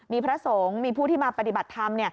มีพระสงฆ์มีผู้ที่มาปฏิบัติธรรม